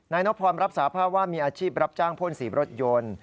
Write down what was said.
นกพรรับสาภาพว่ามีอาชีพรับจ้างพ่นสีรถยนต์